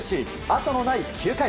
あとのない９回。